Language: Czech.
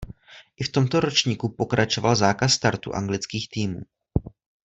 I v tomto ročníku pokračoval zákaz startu anglických týmů.